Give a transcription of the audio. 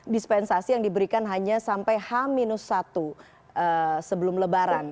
dispensasi yang diberikan hanya sampai h satu sebelum lebaran